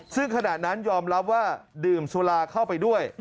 ซึ่งขณะนั้นยอมรับว่าดื่มสุราเข้าไปด้วย